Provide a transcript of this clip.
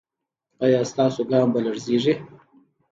ایا ستاسو ګام به لړزیږي؟